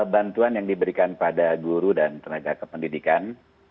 bantuan yang diberikan pada guru dan tenaga kependidikan